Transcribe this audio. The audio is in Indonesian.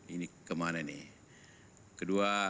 ini kemana nih kedua